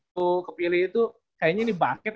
lu kepilih itu kayaknya ini basket